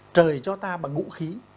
trời cho ta bằng ngũ khí